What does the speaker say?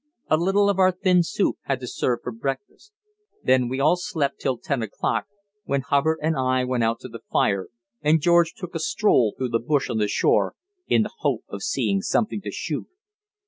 A little of our thin soup had to serve for breakfast. Then we all slept till ten o'clock, when Hubbard and I went out to the fire and George took a stroll through the bush on the shore, in the hope of seeing something to shoot.